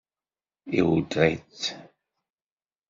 Iweddeṛ-itt?